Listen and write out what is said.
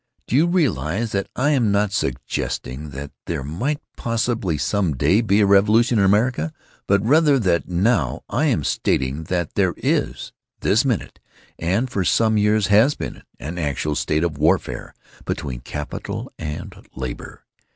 Do you realize that I am not suggesting that there might possibly some day be a revolution in America, but rather that now I am stating that there is, this minute, and for some years has been, an actual state of warfare between capital and labor?